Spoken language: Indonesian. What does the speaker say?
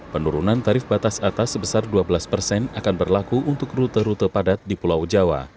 penurunan tarif batas atas sebesar dua belas persen akan berlaku untuk rute rute padat di pulau jawa